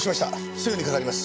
すぐに掛かります。